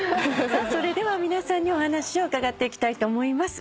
それでは皆さんにお話を伺っていきたいと思います。